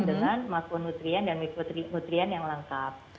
dengan makro nutrian dan mikro nutrian yang lengkap